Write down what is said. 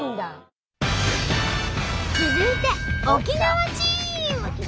続いて沖縄チーム！